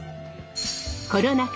コロナ禍